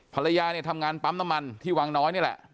ภรรยาเนี่ยทำงานปั๊มน้ำมันที่วังน้อยนี่แหละ